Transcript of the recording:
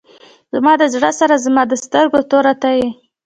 زما د زړه سره زما د سترګو توره ته یې.